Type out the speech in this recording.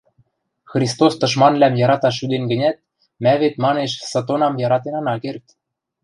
Христос тышманвлӓм яраташ шӱден гӹнят, мӓ вет, манеш, сытонам яратен ана керд.